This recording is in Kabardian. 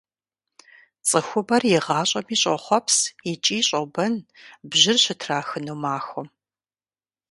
ЦӀыхубэр игъащӀэми щӀохъуэпс икӀи щӀобэн бжьыр щытрахыну махуэм.